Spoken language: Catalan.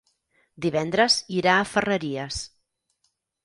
Divendres irà a Ferreries.